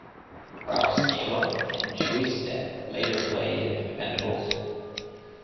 Ralph Scala and Joey Stec later played in The Dependables.